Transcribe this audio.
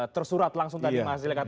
tersurat langsung tadi mas